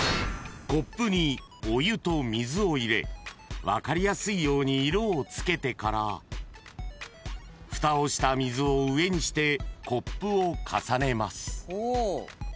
［コップにお湯と水を入れ分かりやすいように色を付けてからふたをした水を上にしてコップを重ねます］